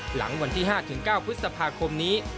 หลังวันที่๕๙พฤษภาคมนี้